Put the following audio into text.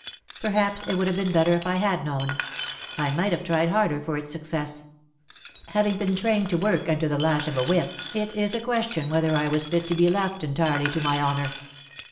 Perhaps it would have been better if I had known. I might have tried harder for its success. Having been trained to work under the lash of a whip, it is a question whether I was fit to be left entirely to my honour.